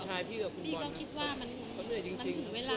จริงแล้วเขาก็นอนให้หลัดเขาก็เหนื่อยครับ